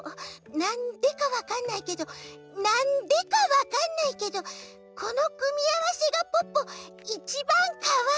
なんでかわかんないけどなんでかわかんないけどこのくみあわせがポッポいちばんかわいいきがする！